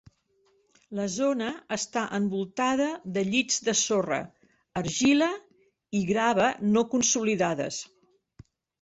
La zona està envoltada de llits de sorra, argila i grava no consolidades.